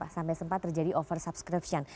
sampai sempat terjadi over subscription